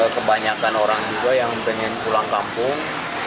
kebanyakan orang juga yang pengen pulang kampung